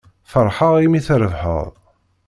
Ferḥeɣ imi trebḥeḍ.